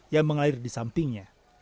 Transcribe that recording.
yang mengalir di sampingnya